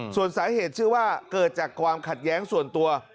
ส่วนสาเหตุเชื่อว่าเกิดจากความขัดแย้งส่วนตัว